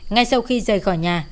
ngay sau khi rời khỏi nhà